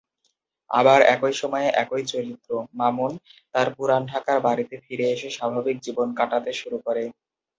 আবার একই সময়ে একই চরিত্র মামুন, তার পুরান ঢাকার বাড়িতে ফিরে এসে স্বাভাবিক জীবন কাটাতে শুরু করে।